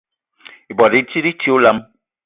Ibwal i tit i ti olam.